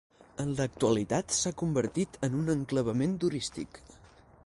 En l'actualitat s'ha convertit en un enclavament turístic.